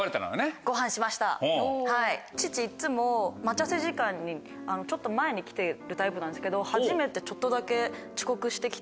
父いっつも待ち合わせ時間にちょっと前に来てるタイプなんですけど初めてちょっとだけ遅刻して来て。